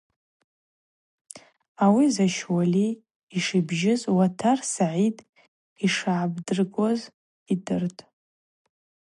Ауи Защ Уали йшибжьыз Уатар Сагӏид йшигӏабыргуаз йдыртӏ.